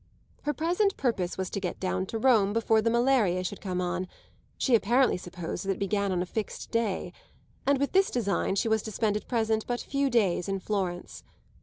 Her present purpose was to get down to Rome before the malaria should come on she apparently supposed that it began on a fixed day; and with this design she was to spend at present but few days in Florence.